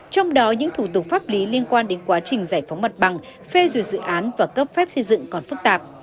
trong đó những thủ tục pháp lý liên quan đến quá trình giải phóng mặt bằng phê duyệt dự án và cấp phép xây dựng còn phức tạp